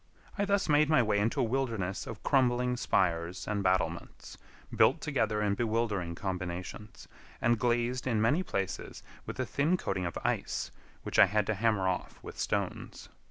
I thus made my way into a wilderness of crumbling spires and battlements, built together in bewildering combinations, and glazed in many places with a thin coating of ice, which I had to hammer off with stones.